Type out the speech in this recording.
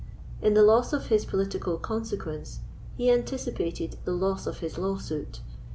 In the loss of his political consequence, he anticipated the loss of his lawsuit.